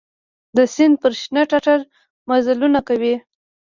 د سیند پر شنه ټټر مزلونه کوي